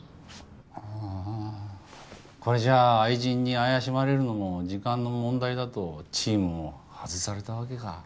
ああこれじゃあ愛人に怪しまれるのも時間の問題だとチームを外されたわけか。